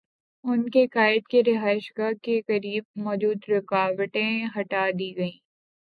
ان کے قائد کی رہائش گاہ کے قریب موجود رکاوٹیں ہٹا دی گئیں۔